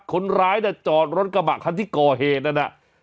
คนร้ายเนี่ยจอดรถกระบะคันที่ก่อเหนี่ยนะ